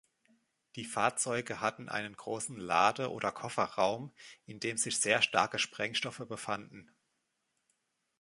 Die Fahrzeuge hatten einen großen Lade- oder Kofferraum, in dem sich sehr starke Sprengstoffe befanden.